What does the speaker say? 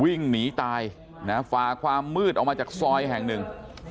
วิ่งหนีตายนะฝ่าความมืดออกมาจากซอยแห่งหนึ่ง